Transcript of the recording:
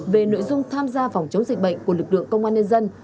về nội dung tham gia phòng chống dịch bệnh của lực lượng công an nhân dân